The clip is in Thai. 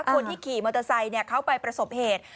คนที่ขี่มอเตอร์ไซค์เขาไปประสบเหตุ